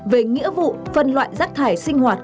về nghĩa vụ phân loại rác thải sinh hoạt